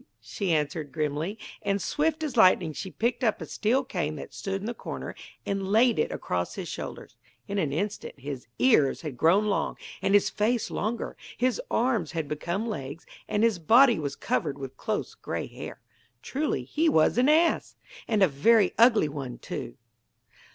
she answered grimly: and, swift as lightning she picked up a steel cane that stood in the corner and laid it across his shoulders. In an instant his ears had grown long and his face longer, his arms had become legs, and his body was covered with close grey hair. Truly, he was an ass; and a very ugly one, too!